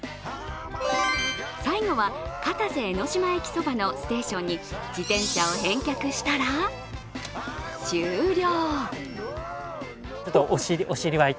最後は片瀬江ノ島駅そばのステーションに自転車を返却したら終了。